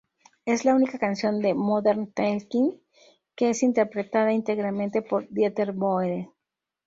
Es la única canción de Modern Talking que es interpretada íntegramente por Dieter Bohlen.